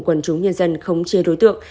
quần chúng nhân dân không chê đối tượng